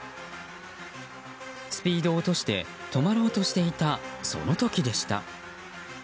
スピードを落として止まろうとしていたその時でした。